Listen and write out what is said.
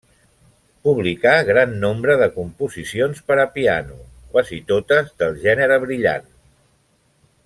Publicà gran nombre de composicions per a piano, quasi totes del gènere brillant.